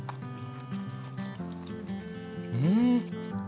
うん！